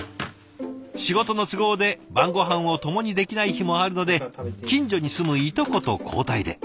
仕事の都合で晩ごはんを共にできない日もあるので近所に住むいとこと交代で。